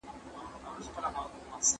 د دلارام ولسوالي تل زموږ په زړونو کي پاتې ده.